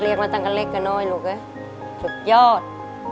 เรียกมาตั้งแต่เล็กกันน้อยลูกไอ้สุดยอด